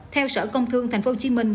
theo sở công thương tp hcm